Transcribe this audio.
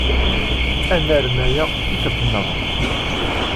Ad narem aya tikkelt niḍen.